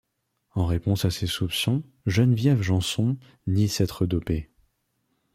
En réponse à ces soupçons, Geneviève Jeanson nie s'être dopée.